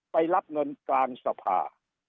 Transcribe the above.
ไปรับเงินกลางสภา